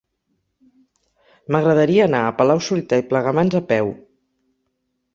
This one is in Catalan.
M'agradaria anar a Palau-solità i Plegamans a peu.